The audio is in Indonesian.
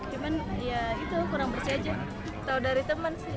cuman ya itu kurang bersih aja